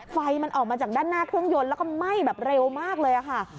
ไฟมันออกมาจากด้านหน้าเครื่องยนต์แล้วก็ไหม้แบบเร็วมากเลยค่ะ